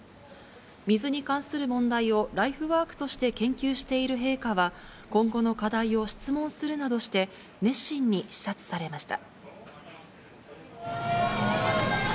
水に関する問題をライフワークとして研究している陛下は、今後の課題を質問するなどして、熱心に視察されました。